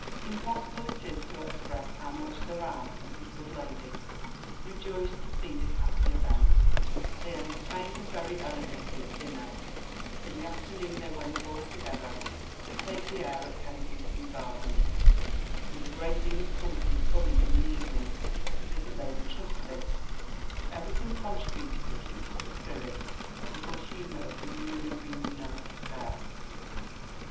Impossible it is to express how much Sir Ralph, and his good lady, rejoiced to see this happy event: they entertained them very elegantly at dinner, in the afternoon they went all together to take the air in Kensington Gardens; and a great deal of company coming in the evening to visit Lady Trusty, every thing contributed to keep up the spirit and good humour of the newly re united pair.